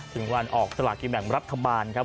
ถึงวันออกสลากินแบ่งรัฐบาลครับ